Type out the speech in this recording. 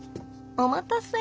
お待たせ。